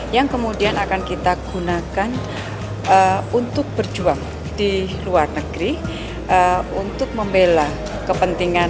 yang kemudian akan kita gunakan untuk berjuang di luar negeri untuk membela kepentingan